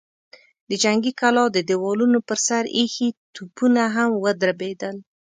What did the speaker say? د جنګي کلا د دېوالونو پر سر ايښي توپونه هم ودربېدل.